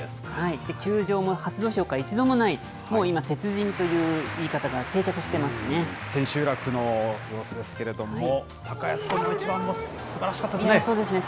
休場も初土俵から一度もない、もう今、鉄人という言い方が定着し千秋楽の様子ですけれども、高安との一番もすばらしかったですね。